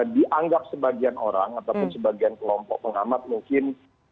dianggap sebagian orang ataupun sebagian kelompok pengamat mungkin